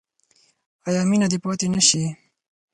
آیا مینه دې پاتې نشي؟